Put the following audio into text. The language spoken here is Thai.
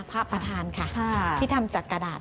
พระประธานค่ะที่ทำจากกระดาษ